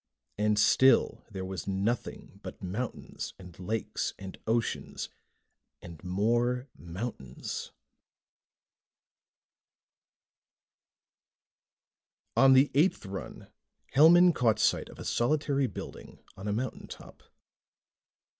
And still there was nothing but mountains and lakes and oceans and more mountains. On the eighth run, Hellman caught sight of a solitary building on a mountain top.